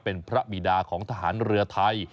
เป็นพระบิดาของทหารเรือไทย